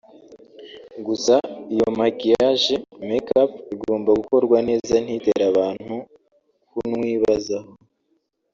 Gusa iyo maquillage/make-up igomba gukorwa neza ntitere abantu kunwibazaho